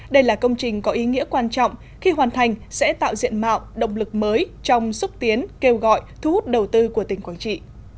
đây là công trình có ý nghĩa quan trọng khi hoàn thành sẽ tạo diện mạo động lực mới trong xúc tiến kêu gọi thu hút đầu tư của tỉnh quảng trị